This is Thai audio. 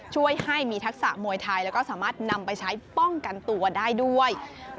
ช่วยให้มีทักษะมวยไทยแล้วก็สามารถนำไปใช้ป้องกันตัวได้ด้วย